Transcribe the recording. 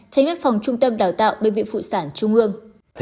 tránh bất phòng trung tâm đào tạo bên vị phụ sản trung ương